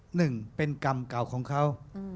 หนึ่งเป็นกรรมเก่าของเขา